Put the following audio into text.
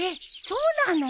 そうなの？